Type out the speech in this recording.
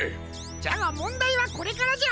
じゃがもんだいはこれからじゃ。